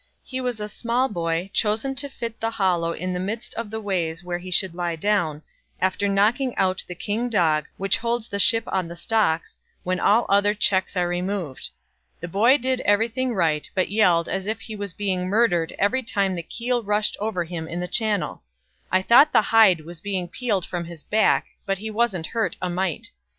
He was a small boy, chosen to fit the hollow in the midst of the ways where he should lie down, after knocking out the king dog, which holds the ship on the stocks, when all other checks are removed. The boy did everything right, but yelled as if he was being murdered every time the keel rushed over him in the channel. I thought the hide was being peeled from his back, but he wasn't hurt a mite.